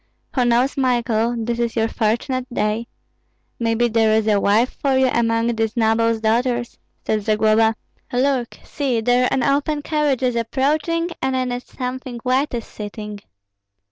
"Who knows, Michael, this is your fortunate day? Maybe there is a wife for you among these nobles' daughters," said Zagloba. "Look! see, there an open carriage is approaching, and in it something white is sitting."